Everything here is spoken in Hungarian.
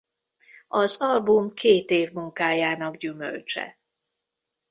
Az album két év munkájának gyümölcse.